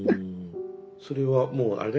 それはもうあれ？